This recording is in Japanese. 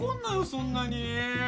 そんなに。